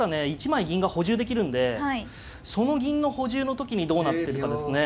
１枚銀が補充できるんでその銀の補充の時にどうなってるかですね。